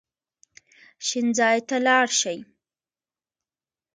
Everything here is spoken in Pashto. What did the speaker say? شین ځای ته لاړ شئ.